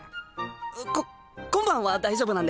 こっ今晩は大丈夫なんでっ。